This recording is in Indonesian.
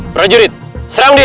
prajurit serang dia